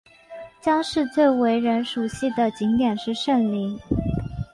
姜市最为人熟悉的景点是圣陵。